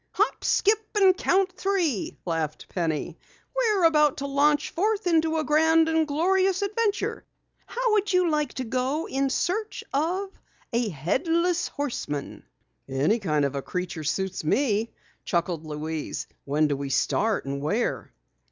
"Hop, skip and count three!" laughed Penny. "We're about to launch forth into a grand and glorious adventure. How would you like to go in search of a Headless Horseman?" "Any kind of a creature suits me," chuckled Louise. "When do we start and where?"